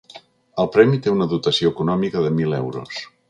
El premi té una dotació econòmica de mil euros.